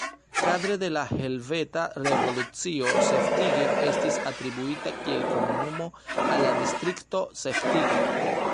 Kadre de la Helveta Revolucio Seftigen estis atribuita kiel komunumo al la distrikto Seftigen.